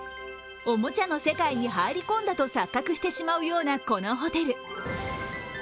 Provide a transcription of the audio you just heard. おもちゃの世界に入り込んだと錯覚してしまうような、このホテル。